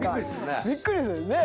びっくりするよね。